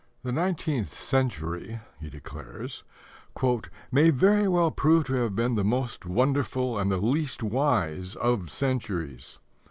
"The nineteenth century," he declares, "may very well prove to have been the most wonderful and the least wise of centuries."